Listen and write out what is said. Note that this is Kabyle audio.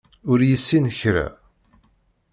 Ur yessin kra.